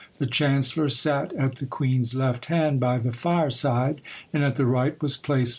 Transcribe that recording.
The chancellor sat at the queen's left hand by the fire side; and at the right was placed M.